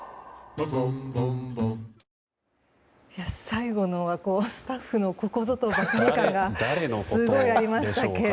最後のはスタッフのここぞとばかり感がすごいありましたね。